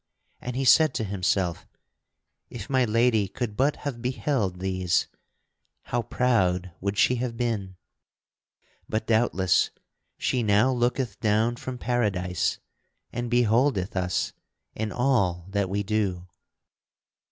And he said to himself: "If my lady could but have beheld these, how proud would she have been! But, doubtless, she now looketh down from Paradise and beholdeth us and all that we do."